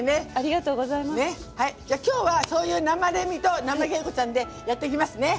今日は、そういう生レミとナマ景子ちゃんでやっていきますね。